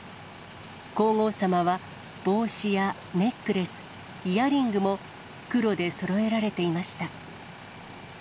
皇后さまは、帽子やネックレス、イヤリングも、黒でそろえられていました。